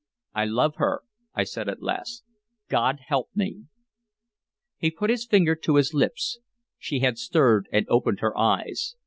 "I love her," I said at last. "God help me!" He put his finger to his lips. She had stirred and opened her eyes.